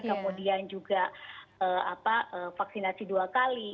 kemudian juga vaksinasi dua kali